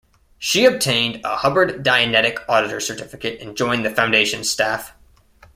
She obtained a Hubbard Dianetic Auditor's Certificate and joined the Foundation's staff.